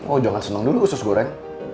oh jangan seneng dulu sus goreng